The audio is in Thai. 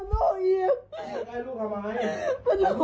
มันโดนลูกอีก